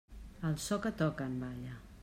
Al so que toquen, balla.